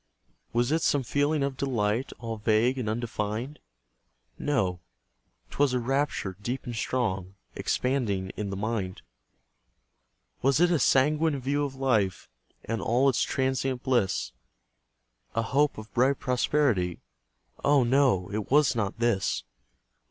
Was it some feeling of delight All vague and undefined? No; 'twas a rapture deep and strong, Expanding in the mind. Was it a sanguine view of life, And all its transient bliss, A hope of bright prosperity? Oh, no! it was not this.